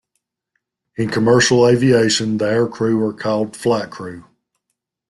In commercial aviation, the aircrew are called "flight crew".